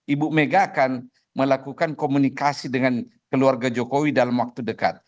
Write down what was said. ibu mega akan melakukan komunikasi dengan keluarga jokowi dalam waktu dekat